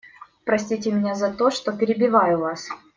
Простите меня за то, что перебиваю Вас.